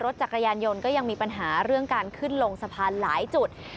จักรยานยนต์ก็ยังมีปัญหาเรื่องการขึ้นลงสะพานหลายจุด